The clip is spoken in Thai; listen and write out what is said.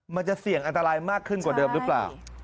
มันจะเสี่ยงอันตรายมากขึ้นกว่าเดิมหรือเปล่า